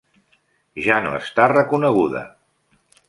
Ja no està reconeguda.